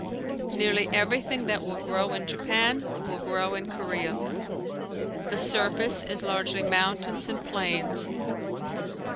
Nearly everything that will grow in Japan will grow in Korea. The surface is largely mountains and plains.